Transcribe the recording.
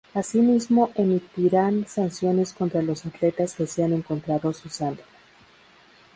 Así mismo emitirán sanciones contra los atletas que sean encontrados usándola.